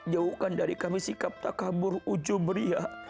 jauhkan dari kami sikap takabur ujumriyah